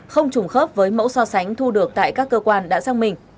không trùng khớp với mẫu so sánh thu được tại các cơ quan đã sang mình